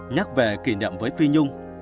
nhắc về kỷ niệm với phi nhung